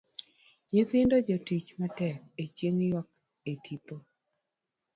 Nyithindo, jatich matek e chieng' ywak e tipo.